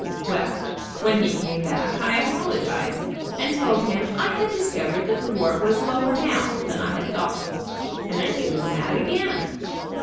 Well, when he came back I apologized, and told him I had discovered that the wart was lower down than I thought, and then he was mad again.